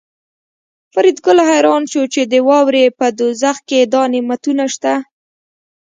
فریدګل حیران شو چې د واورې په دوزخ کې دا نعمتونه شته